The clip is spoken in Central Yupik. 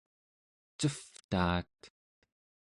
cevtaat